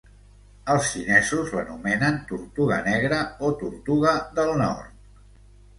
Els xinesos l'anomenen tortuga negra o tortuga del nord.